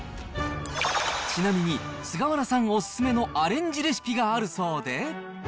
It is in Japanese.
ちなみに、菅原さんお勧めのアレンジレシピがあるそうで。